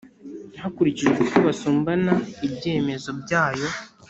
Hakurikijwe uko basumbana ibyemezo byayo